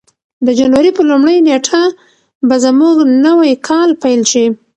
د جنوري په لومړۍ نېټه به زموږ نوی کال پیل شي.